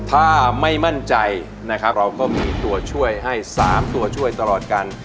ถ้าไม่มั่นใจนะครับเราก็มีตัวช่วยให้๓ตัวช่วยตลอดกัน